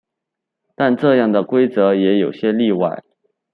但这样的规则也有些例外。